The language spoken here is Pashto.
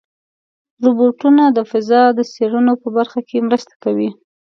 روبوټونه د فضا د څېړنو په برخه کې مرسته کوي.